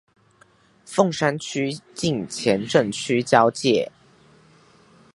鳳山區近前鎮區交界